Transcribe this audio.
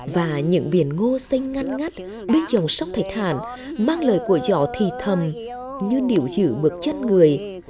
và những biển ngô xanh ngắn ngắt bên dòng sông thạch hàn mang lời của dõ thị thầm như niệu giữ bước chân người